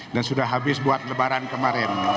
dan sudah habis buat lebaran kemarin